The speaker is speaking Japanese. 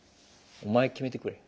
お前決めてくれ。